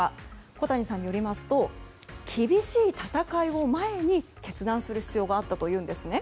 小谷さんによりますと厳しい戦いを前に決断する必要があったというんですね。